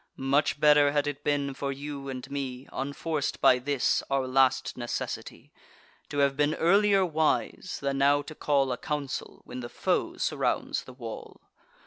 Much better had it been for you and me, Unforc'd by this our last necessity, To have been earlier wise, than now to call A council, when the foe surrounds the wall.